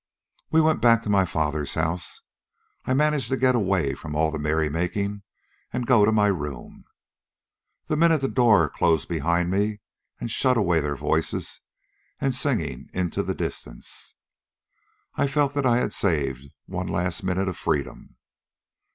"We went back to my father's house. I managed to get away from all the merrymaking and go to my room. The minute the door closed behind me and shut away their voices and singing into the distance, I felt that I had saved one last minute of freedom.